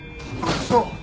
そう！